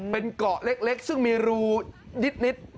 เป็นเกาะเล็กซึ่งมีรูนิด